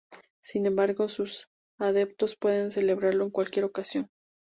Sin embargo, sus adeptos pueden celebrarlo en cualquier ocasión.